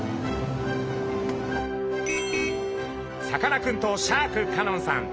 さかなクンとシャーク香音さん